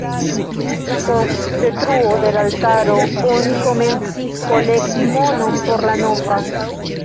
Tuj post detruo de la altaro oni komencis kolekti monon por la nova.